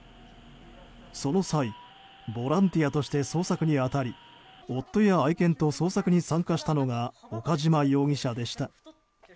その際、ボランティアとして捜索に当たり、夫や愛犬と捜索に参加したのが岡島容疑者でした。